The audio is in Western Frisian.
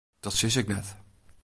Dat sis ik net.